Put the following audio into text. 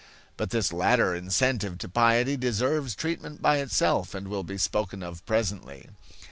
But this latter incentive to piety deserves treatment by itself and will be spoken of presently.